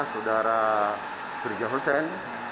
saudara gerja hosen